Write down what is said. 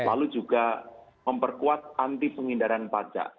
lalu juga memperkuat anti pengindaran pajak